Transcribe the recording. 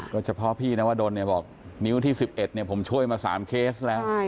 ก็เฉพาะพี่นวดลเนี่ยบอกนิ้วที่๑๑ผมช่วยมา๓เคสแล้ว